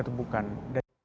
atau tidak bukan